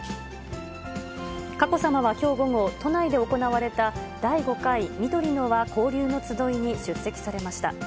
佳子さまはきょう午後、都内で行われた、第５回みどりのわ交流のつどいに出席されました。